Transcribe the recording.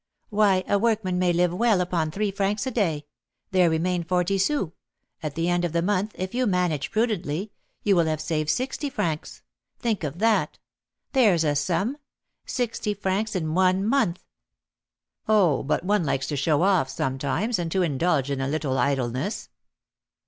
"Why, a workman may live well upon three francs a day; there remain forty sous; at the end of a month, if you manage prudently, you will have saved sixty francs. Think of that! There's a sum! sixty francs in one month!" "Oh, but one likes to show off sometimes, and to indulge in a little idleness."